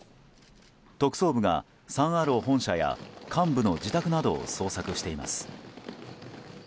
特捜部がサン・アロー本社や幹部の自宅などを捜索しています。